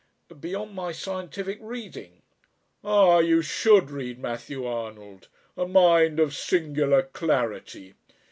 "Beyond my scientific reading " "Ah! you should read Matthew Arnold a mind of singular clarity.